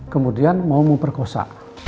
kemudian mau memperkosa